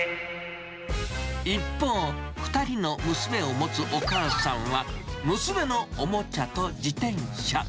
一方、２人の娘を持つお母さんは、娘のおもちゃと自転車。